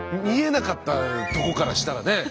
見えなかったとこからしたらね